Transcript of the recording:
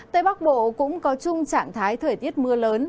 tây bắc bộ cũng có chung trạng thái thời tiết mưa lớn